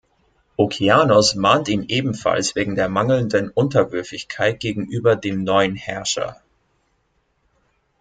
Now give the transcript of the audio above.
Okeanos mahnt ihn ebenfalls wegen der mangelnden Unterwürfigkeit gegenüber dem neuen Herrscher.